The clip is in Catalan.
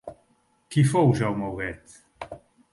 Qui fou Jaume Huguet?